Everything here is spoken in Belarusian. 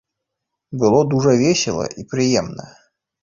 Было дужа весела і прыемна.